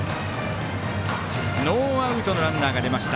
ノーアウトのランナーが出ました。